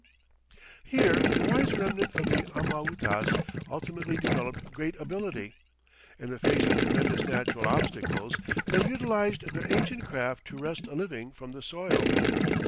Here the wise remnant of the Amautas ultimately developed great ability. In the face of tremendous natural obstacles they utilized their ancient craft to wrest a living from the soil.